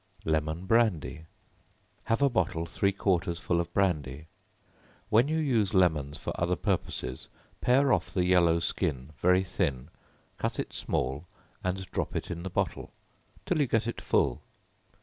Lemon Brandy. Have a bottle three quarters full of brandy; when you use lemons for other purposes, pare off the yellow skin very thin, cut it small and drop it in the bottle, till you get it full.